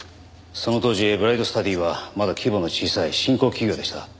その当時ブライトスタディはまだ規模の小さい新興企業でした。